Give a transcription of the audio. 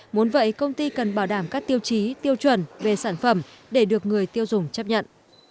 muốn vậy công ty cần bảo đảm các tiêu chí tiêu chuẩn về sản phẩm để được người tiêu dùng chấp nhận